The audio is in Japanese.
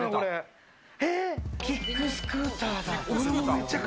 キックスクーターだ。